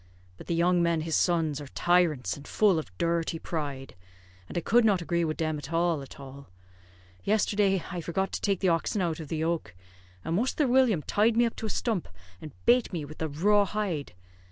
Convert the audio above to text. But the young men, his sons, are tyrants, and full of durty pride; and I could not agree wid them at all at all. Yesterday, I forgot to take the oxen out of the yoke, and Musther William tied me up to a stump, and bate me with the raw hide.